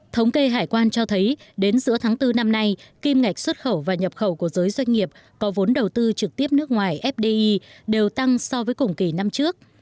thống kê hải quan cho thấy đến giữa tháng bốn năm nay kim ngạch xuất khẩu và nhập khẩu của giới doanh nghiệp có vốn đầu tư trực tiếp nước ngoài fdi đều tăng so với cùng kỳ năm trước